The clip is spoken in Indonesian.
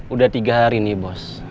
udah tiga hari nih bos